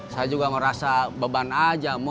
saya juga merasa beban ajamu